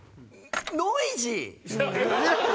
ノイジー。